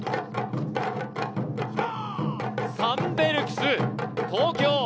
サンベルクス・東京。